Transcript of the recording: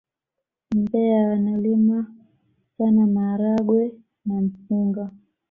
mbeya wanalima sana maharage na mpunga